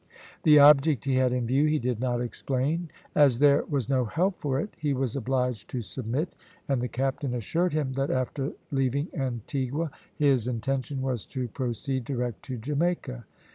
The object he had in view he did not explain. As there was no help for it he was obliged to submit, and the captain assured him that after leaving Antigua his intention was to proceed direct to Jamaica.